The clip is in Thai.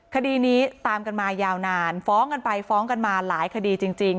คดีนี้ตามกันมายาวนานฟ้องกันไปฟ้องกันมาหลายคดีจริง